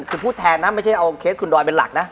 คือพูดแทนนะไม่ใช่เอาเคสคุณดอยเป็นหลักนะ